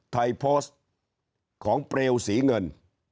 ไทยโพสต์ของเปลวสีเงิน